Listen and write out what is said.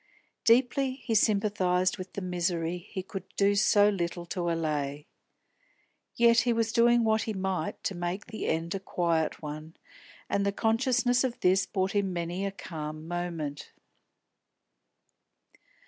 Deeply he sympathised with the misery he could do so little to allay. Yet he was doing what he might to make the end a quiet one, and the consciousness of this brought him many a calm moment.